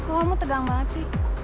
kok kamu tegang banget sih